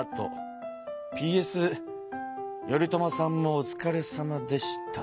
ＰＳ頼朝さんもおつかれさまでした」